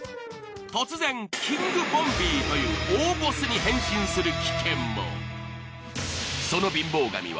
突然キングボンビーという大ボスに変身する危険も。